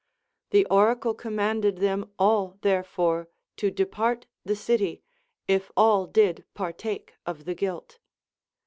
The oracle commanded them all therefore to depart the city, if all did partake of the guilt.